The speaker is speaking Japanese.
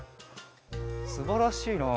すばらしいな。